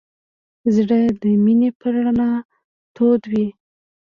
زړه د مینې په رڼا تود وي.